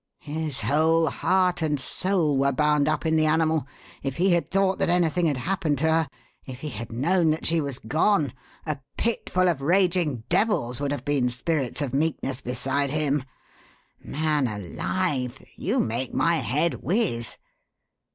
His whole heart and soul were bound up in the animal. If he had thought that anything had happened to her, if he had known that she was gone, a pitful of raging devils would have been spirits of meekness beside him. Man alive, you make my head whiz.